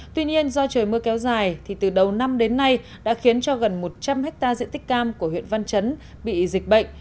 tuy nhiên do trời mưa kéo dài thì từ đầu năm đến nay đã khiến cho gần một trăm linh hectare diện tích cam của huyện văn chấn bị dịch bệnh